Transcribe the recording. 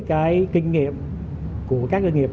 với kinh nghiệm của các doanh nghiệp